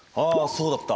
そうだった。